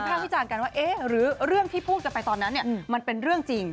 มาวิทธิ์ให้จานกันว่าเอ๊ะหรือเรื่องที่พูดจะไปตอนนั้นมันเป็นเรื่องจริง